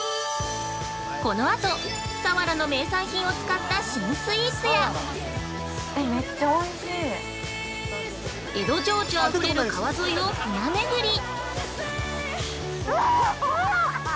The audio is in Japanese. このあと、佐原の名産品を使った新スイーツや江戸情緒あふれる川沿いを舟めぐり。